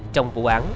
trong vụ án